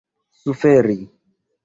suferi